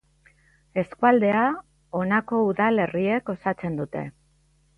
Eskualdea honako udalerriek osatzen dute.